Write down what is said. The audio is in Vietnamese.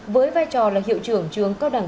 với vai trò là hiệu trưởng trường cao đẳng